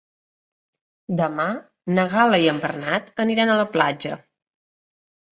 Demà na Gal·la i en Bernat aniran a la platja.